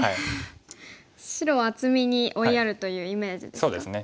白を厚みに追いやるというイメージですか？